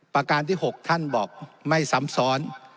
ประการที่๖ท่านบอกไม่ซ้ำซ้อน